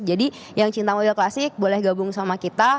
jadi yang cinta mobil klasik boleh gabung sama kita